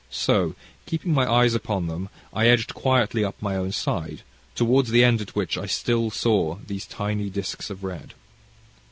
"So, keeping my eyes upon them, I edged quietly up my own side, towards the end at which I still saw these tiny discs of red.